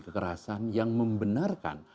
kekerasan yang membenarkan